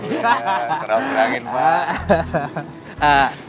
iya terlalu kurangin pak